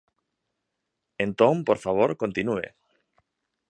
Entón, por favor, continúe.